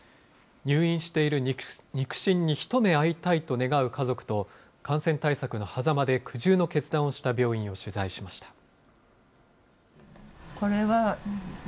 入院している肉親に一目会いたいと願う家族と、感染対策のはざまで苦渋の決断をした病院を取材しました。